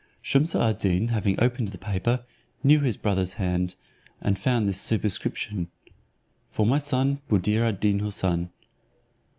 Shumse ad Deen having opened the paper, knew his brother's hand, and found this superscription, "For my son Buddir ad Deen Houssun."